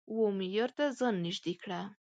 و معیار ته ځان نژدې کړه